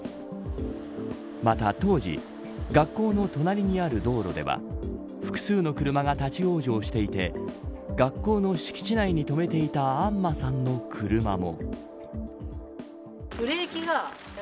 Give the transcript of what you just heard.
また当時学校の隣にある道路では複数の車が立ち往生していて学校の敷地内に止めていた安間さんの車も。